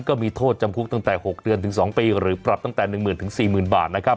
ก็มีโทษจำคุกตั้งแต่๖เดือนถึง๒ปีหรือปรับตั้งแต่๑๐๐๐๔๐๐๐บาทนะครับ